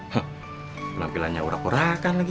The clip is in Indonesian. hah pelampilannya urak urakan lagi